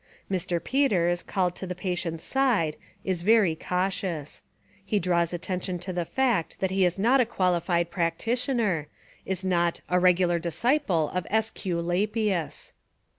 ..." Mr. Peters, called to the pa tient's side, Is very cautious. He draws atten tion to the fact that he Is not a qualified practi tioner. Is not "a regular disciple of S. Q. La plus."